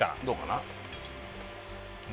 どうかな？